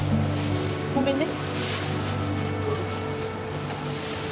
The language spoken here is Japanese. ごめんね。